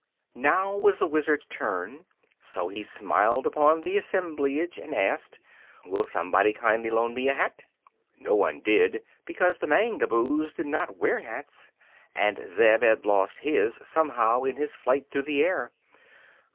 Now was the Wizard's turn, so he smiled upon the assemblage and asked: "Will somebody kindly loan me a hat?" No one did, because the Mangaboos did not wear hats, and Zeb had lost his, somehow, in his flight through the air.